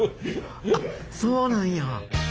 あっそうなんや。